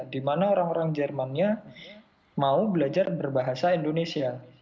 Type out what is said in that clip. di mana orang orang germannya mau belajar berbahasa indonesia